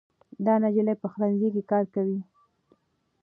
دا نجلۍ په پخلنځي کې کار کوي.